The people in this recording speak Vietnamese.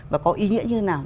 và có ý nghĩa như thế nào